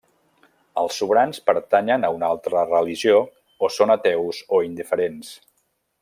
Els sobrants pertanyen a una altra religió o són ateus o indiferents.